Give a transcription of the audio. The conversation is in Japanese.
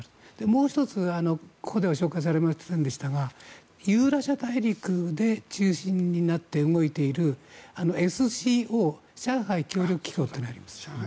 もう１つが、ここでは紹介されませんでしたがユーラシア大陸で中心になって動いているＳＣＯ・上海協力機構というのがあります。